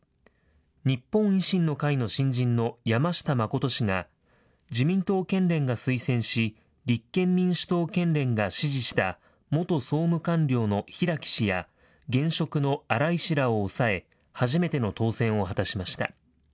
日本維新の会の新人の山下真氏が自民党県連が推薦し、立憲民主党県連が支持した元総務官僚の平木氏や、現職の荒井氏らを抑え、初めての当選を果たしました。